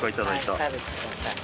はい食べてください。